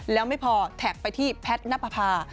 แล้วไม่พอแท็กไปที่แพทย์นับประพา